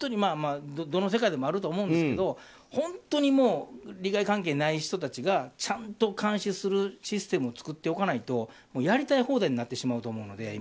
どの世界でもあると思いますけど本当に利害関係ない人たちがちゃんと監視するシステムを作っておかないとやりたい放題になってしまうと思うので。